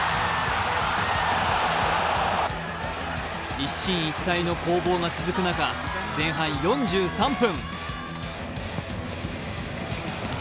一進一退の攻防が続く中、前半４３分。